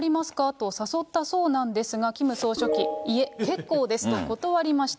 と誘ったそうなんですが、キム総書記、いえ、結構ですと断りました。